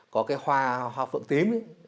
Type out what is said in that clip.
có cái hoa phượng tím